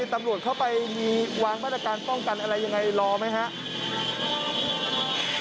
ตำรวจเข้าไปมีวางมาตรการป้องกันอะไรยังไงรอไหมครับ